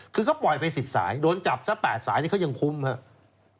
คือเขาปล่อยไป๑๐สายโดนจับซะ๘สายนี่เขายังคุ้มครับ